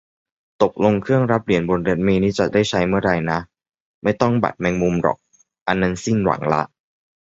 ตกลง เครื่องรับเหรียญบนรถเมล์นี่จะได้ใช้เมื่อไรนะ ไม่ต้องบัตรแมงมุมหรอก อันนั้นสิ้นหวังละ